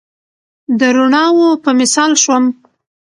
د روڼاوو په مثال شوم